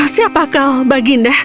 siapa kau baginda